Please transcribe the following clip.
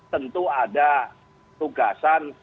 tentu ada tugasan